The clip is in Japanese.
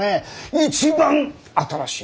一番新しい！